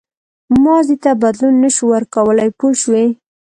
ماضي ته بدلون نه شو ورکولای پوه شوې!.